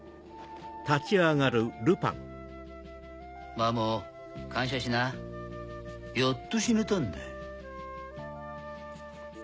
マモー感謝しなやっと死ねたんだ